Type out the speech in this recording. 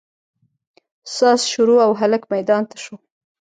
ساز شروع او هلک ميدان ته سو.